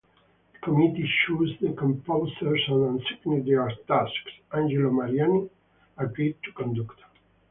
The committee chose the composers and assigned their tasks; Angelo Mariani agreed to conduct.